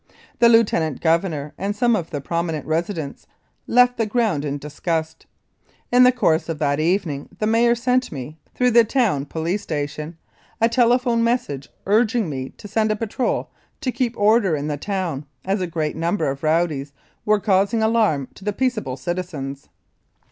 The Lieutenant Governor and some of the prominent residents left the ground in disgust. In the course of that evening the mayor sent me, through the town police station, a telephone message urging me to send a patrol to keep order in the town, as a great number of rowdies were causing alarm to the peaceable citizens.